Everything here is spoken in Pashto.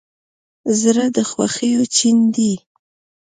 زړه د خوښیو چین دی.